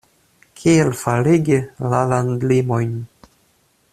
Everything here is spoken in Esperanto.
Kiel faligi la landlimojn?